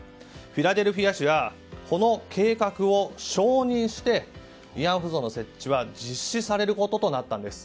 フィラデルフィア市はこの計画を承認して慰安婦像の設置は実施されることとなったのです。